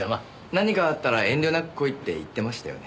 何かあったら遠慮なく来いって言ってましたよね？